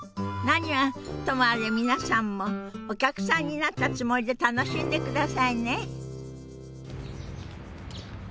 何はともあれ皆さんもお客さんになったつもりで楽しんでくださいね。